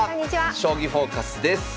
「将棋フォーカス」です。